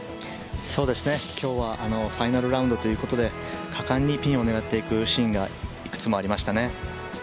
そうですね、今日はファイナルラウンドということで果敢にピンを狙っていくシーンがいくつもありましたね。